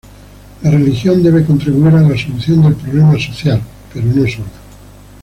La religión debe contribuir a la solución del problema social, pero no sola.